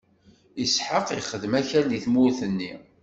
Isḥaq ixdem akal di tmurt-nni.